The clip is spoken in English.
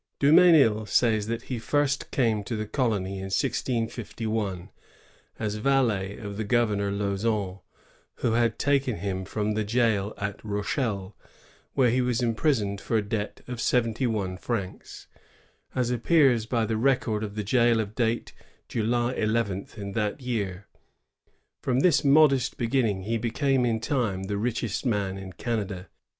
Dumesnil says that he first came to the colony in 1651, as valet of the governor Lauson, who had taken him from the jail at Rochelle, where he was imprisoned for a debt of seventy one francs, ^as appears by the record of the jail of date July eleventh in that year.'^ From this modest beginning he became in time the richest man in Canada.